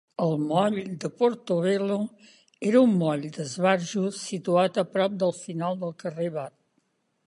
El moll de Portobello era un moll d'esbarjo situat a prop del final del carrer Bath.